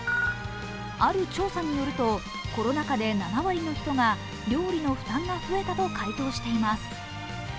ある調査によると、コロナ禍で７割の人が料理の負担が増えたと回答しています。